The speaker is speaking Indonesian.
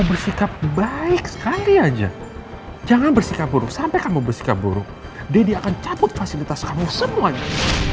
bersikap baik sekali aja jangan bersikap buruk sampai kamu bersikap buruk dia akan cabut fasilitas kamu semuanya